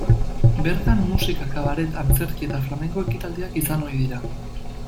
Bertan musika, kabaret, antzerki eta flamenko ekitaldiak izan ohi dira.